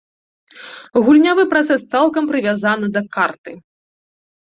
Гульнявы працэс цалкам прывязаны да карты.